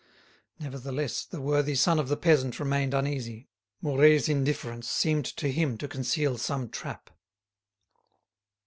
Nevertheless the worthy son of the peasant remained uneasy; Mouret's indifference seemed to him to conceal some trap.